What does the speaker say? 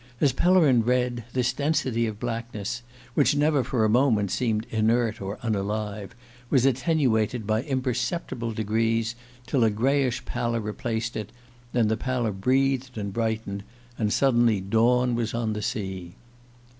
As Pellerin read, this density of blackness which never for a moment seemed inert or unalive was attenuated by imperceptible degrees, till a greyish pallour replaced it; then the pallour breathed and brightened, and suddenly dawn was on the sea.